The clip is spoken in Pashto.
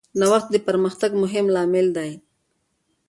نوښت د پرمختګ مهم لامل دی.